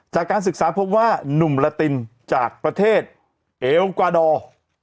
จากการศึกษาพบว่านุ่มลาตินจากประเทศเอลกวาดอร์